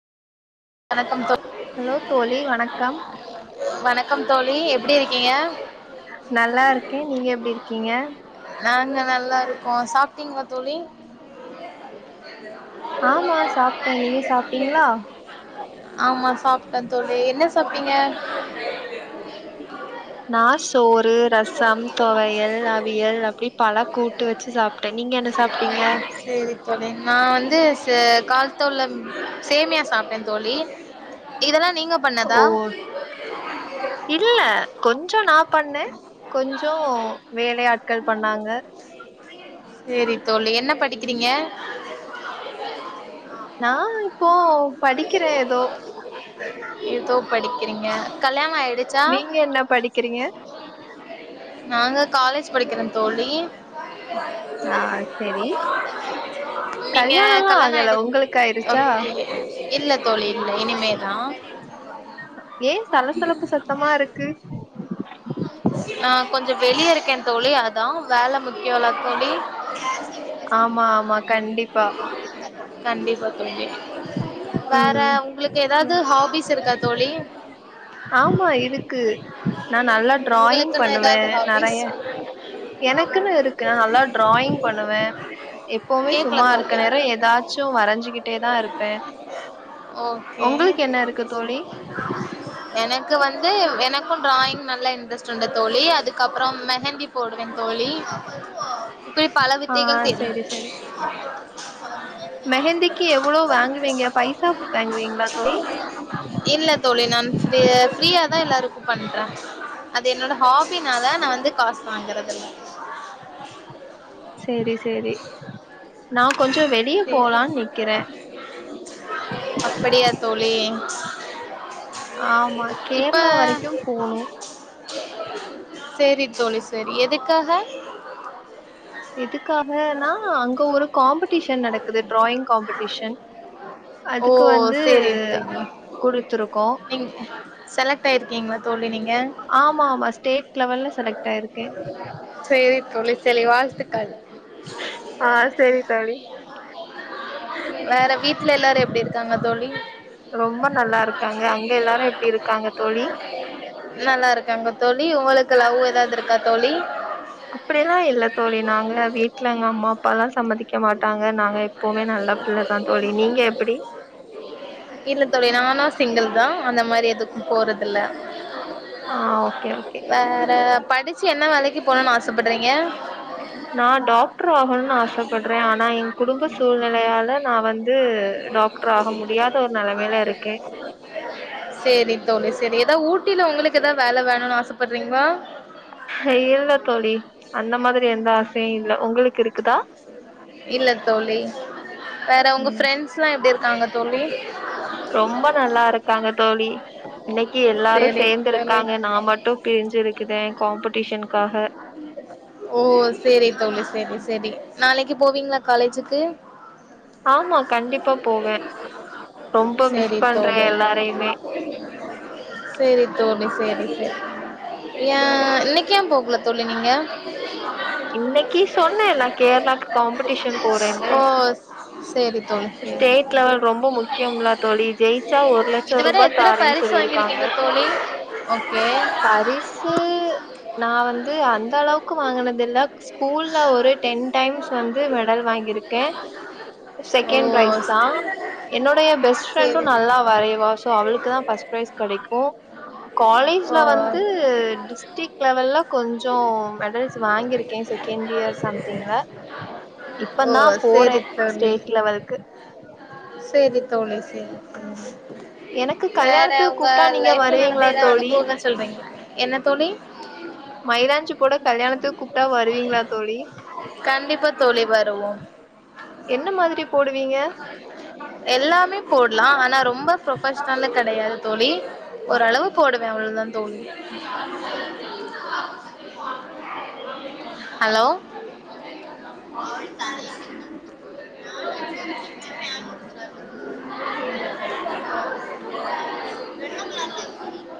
வணக்கம் தோ ஹலோ தோழி வணக்கம் வணக்கம் தோழி எப்டி இருக்கீங்க நல்லா இருக்கே நீங்க எப்டி இருக்கீங்க நாங்க நல்லா இருக்கோ சாப்ட்டீங்ளா தோழி ஆமா சாப்ட்டே நீங்க சாப்ட்டீங்ளா ஆமா சாப்ட்டே தோழி என்ன சாப்ட்டீங்க நா சோறு ரசம் துவையல் அவியல் அப்டி பல கூட்டு வச்சு சாப்ட்டே நீங்க என்ன சாப் டீங்க செரி தோழி நா வந்து ச கால்தோலம் சேமியா சாப்ட்டே தோழி இதெல்லா நீங்க பண்ணதா ஓ இல்ல கொஞ்ச நா பண்ணே கொஞ்சோ வேலையாட்கள் பண்ணாங்க செரி தோழி என்ன படிக்கிறீங்க நா இப்போ படிக்கிறே எதோ ஏதோ படிக்கிறீங்க கல்யாண ஆய்டுச் நீங்க என்ன படிக்கிறீங்க நாங்க காலேஜ் படிக்கிறோ தோழி ஆ செரி நீங்க கல்யாணல்லா கல்யாண ஆகல ஆயிடு உங்களுக்கயிருச்சா ஓகே இல்ல தோழி இல்ல இனிமேதா ஏ சலசலப்பு சத்தமா இருக்கு ஆ கொஞ்சோ வெளிய இருக்கே தோழி அதா வேல முக்கியோல்லா தோழி ஆமா ஆமா கண்டிப்பா கண்டிப்பா தோழி வேற ம் உங்களுக்கு ஏதாவது ஹாபிஸ் இருக்கா தோழி ஆமா இருக்கு நா நல்லா டிராயிங் உங்களுக்குன்னு பண்ணுவே ஏதாவது ஹாபிஸ் நெறையா எனக்குன்னு இருக்கு நா நல்லா டிராயிங் பண்ணுவே எப்பவுமே கேக்கல சும்மா தோழி இருக்க நேர ஏதாச் சு வரஞ்சுக்கிட்டேதா இருப்பே ஓகே உங்களுக்கு என்ன இருக்கு தோழி எனக்கு வந்து எனக்கும் டிராயிங் நல்லா இன்ட்ரெஸ்ட் ட்ருந்தே தோழி அதுக்க அப்றம் மெஹந்தி போடுவே தோழி இப்டி பல ஆ வித்தைகள் தெரியு செரி செரி ஆ மெஹந்திக்கு எவ்ளோ வாங்குவீங்க பைசா வாங்குவீங்களா தோழி இல்ல தோழி நான் ப்ரி ஃப்ரீயாதா எல்லாருக்கு பண்றே அது என்னோட ஹாபினால நா வந்து காசு வாங்கறதுல்ல செரி செரி நா கொஞ்ச வெளிய சரி. போலான் நிக்கிறே அப்படியா தோழி ஆமா இப்ப கேரளா வரைக்கு போணு சேரி தோழி சேரி எதுக்காக எதுக்காகனா அங்க ஒரு காம்படிஷன் நடக்குது டிராயிங் காம்படிஷன் ஓ அதுக்கு வந்து சேரி தோழி குடுத்துருக்கோ நீங் செலக்ட் ஆயிருக்கீங்ளா தோழி நீங்க ஆமாமா ஸ்டேட் லெவல்ல செலக்ட் ஆயிருக்கே சேரி தோழி சேலி வாழ்த்துக்கள் ஆ செரி தோழி வேற வீட்ல எல்லாரு எப்டி இருக்காங்க தோழி ரொம்ப நல்லா இருக்காங்க அங்க எல்லாரு எப்டி இருக்காங்க தோழி நல்லா இருக்காங்க தோழி உங்களுக்கு லவ் எதாது இருக்கா தோழி அப்டி எல்லா இல்ல தோழி நாங்க வீட்ல எங்க அம்மா அப்பாலா சம்மதிக்க மாட்டாங்க நாங்க எப்வுமே நல்ல புள்ள தா தோழி நீங்க எப்படி இல்லதோழி நானு சிங்கில் தா அந்த மாரி எதுக்கும் போறதில்ல ஆ ஓகே ஓகே வேற படிச்சு என்ன வேலைக்கு போணுன் ஆசப்படுறீங்க நா டாக்டர் ஆகணுன் ஆசப்பட்றே ஆனா எ குடும்ப சூழ்நிலையால நா வந்து டாக்ட்ரு ஆக முடியாத ஒரு நெலைமில இருக்கே சேரி தோழி சேரி எதா ஊட்டில உங்களுக்கு எதா வேல வேணுன் ஆசப்பட்றீங்ளா இல்ல தோழி அந்த மாத்ரி எந்த ஆசையு இல்ல உங்களுக்கு இருக்குதா இல்ல தோழி வேற உங்க ம் ஃப்ரெண்ட்ஸ்லா எப்டி இருக்காங்க தோழி ரொம்ப நல்லாருக்காங்க தோழி இன்னைக்கு எல்லாரு சரி சேந்து தோழி இருக்காங்க நா மட்டு பிரிஞ்சிருக்குதே காம்படிஷன்க்காக ஓ சேரி தோழி சேரி சேரி நாளைக்கு போவீங்களா காலேஜுக்கு ஆமா கண்டிப்பா போவே ரொம்ப மிஸ் சரி பண்றே எல்லாரையுமே சேரி தோழி சேரி சேரி ஏ ம். இன்னைக் ஏ போகல தோழி நீங்க இன்னைக்கு சொன்னேன்ல்ல கேரளாக்கு காம்படிஷன் போறேன்னு சேரி தோழி சேரி ஸ்டேட் லெவல் ரொம்ப முக்கியம்ல தோழி. ஜெயிச்சா சேரி ரூ. இதுவர எத்தர தாரேன்னு பரிசு சொல்லியிருக்காங்க. வாங்கியிருக்கீங்க தோழி ஓகே து நா வந்து அந்தளவுக்கு வாங்கினதில்ல ஸ்கூல்ல ஒரு டென் டைம்ஸ் வந்து மெடல் வாங்கியிருக்கே ஓ செகண்ட் ப்ரைஸ் தா என்னோடைய பெஸ்ட் ஃப்ரெண்டு சரி நல்லா வரைய்வா சோ அவளுக்கு தா ஃபஸ்ட் ப்ரைஸ் கெடைக்கு காலேஜ்ல ஓ வந்து டி ஸ்டிக் லெவல்ல கொஞ்சோ த்து வாங்கியிருக்கே செகண்ட் இயர் சம்திங்ல ஓ இப்பந்தா போறே ஸ்டேட் லெவலுக்கு செரி தோழி சேரி சேரி எனக்கு வேற கல்யாணத்துக்கு உங்க கூப்ட்டா நீங்க லைஃப்ல நடந்த வருவீங்களா எதா தோழி அனுபவங்கள் சொல்றீங்ளா என்ன தோழி மைலாஞ்சி போட கல்யாணத்துக்கு கூப்ட்டா வருவிங்ளா தோழி கண்டிப்பா தோழி வருவோம் என்ன மாதிரி போடுவிங்க போடலா ஆனா ரொம்ப ப்ரொஃபஷனல கெடையாது தோழி ஓரளவு போடுவே அவ்ளதா தோழி அலோ